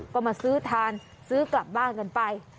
ก็มาซื้อทานซื้อกลับบ้านกันไป